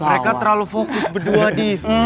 mereka terlalu fokus berdua di